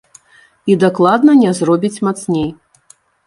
І дакладна не зробіць мацней.